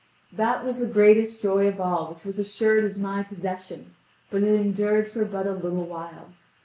That was the greatest joy of all which was assured as my possession, but it endured for but a little while.